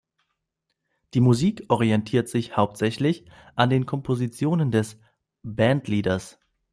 Die Musik orientiert sich hauptsächlich an den Kompositionen des Bandleaders.